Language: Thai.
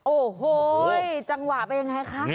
โอ้โหจังหวะเป็นยังไงคะ